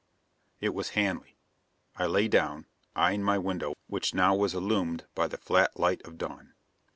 It was Hanley. I lay down, eyeing my window which now was illumined by the flat light of dawn.